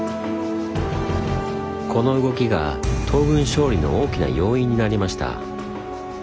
この動きが東軍勝利の大きな要因になりました。